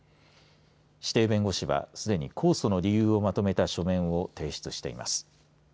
指定弁護士は、すでに控訴の理由をまとめた書面を提出しています。